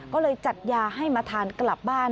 ก็เลยจัดยาให้มาทานกลับบ้าน